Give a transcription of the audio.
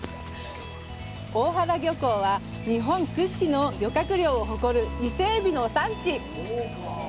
大原漁港は、日本屈指の漁獲量を誇るイセエビの産地。